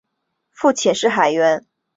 父亲是海员。